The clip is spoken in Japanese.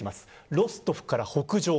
ロストフから北上。